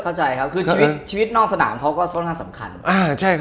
เข้าใจครับคือชีวิตชีวิตนอกสนามเขาก็ค่อนข้างสำคัญอ่าใช่ครับ